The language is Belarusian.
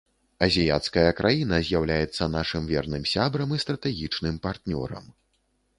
Азіяцкая краіна з'яўляецца нашым верным сябрам і стратэгічным партнёрам.